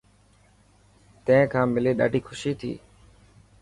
تين کان ملي ڏاڌي خوشي ٿي.